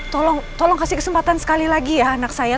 tolong kasih kesempatan sekali lagi ya anak saya